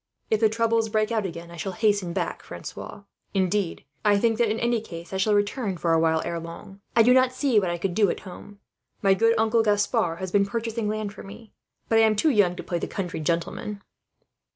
"If the troubles break out again, I shall hasten back, Francois; indeed, I think that in any case I shall return for a while, ere long. I do not see what I could do at home. My good uncle Gaspard has been purchasing land for me, but I am too young to play the country gentleman."